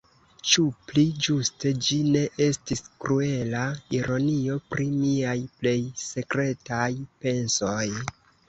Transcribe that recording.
Ĉu pli ĝuste ĝi ne estis kruela ironio pri miaj plej sekretaj pensoj?